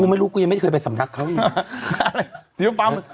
ไม่รู้กูยังไม่เคยไปสำนักเขาอีก